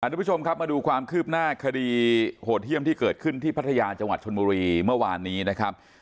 ทุกผู้ชมครับมาดูความคืบหน้าคดีโหดเยี่ยมที่เกิดขึ้นที่พัทยาจังหวัดชนบุรีเมื่อวานนี้นะครับ